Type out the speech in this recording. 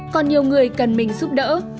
còn nhiều người cần mình giúp đỡ